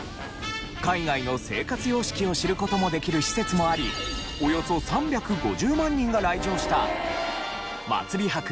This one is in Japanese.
海外の生活様式を知る事もできる施設もありおよそ３５０万人が来場したまつり博・三重’９４。